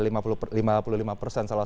salah satu penyumbang tersebut